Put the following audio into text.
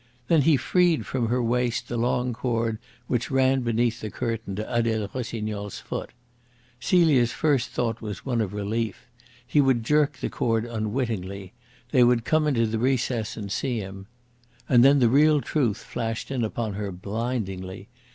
Then he freed from her waist the long cord which ran beneath the curtain to Adele Rossignol's foot. Celia's first thought was one of relief. He would jerk the cord unwittingly. They would come into the recess and see him. And then the real truth flashed in upon her blindingly.